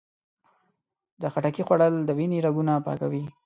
د خټکي خوړل د وینې رګونه پاکوي.